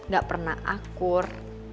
gak pernah akur